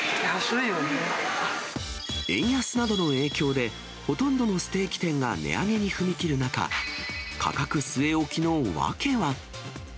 円安などの影響で、ほとんどのステーキ店が値上げに踏み切る中、価格据え置きの訳は。